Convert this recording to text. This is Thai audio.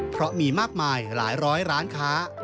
เพราะมีมากมายหลายร้อยร้านค้า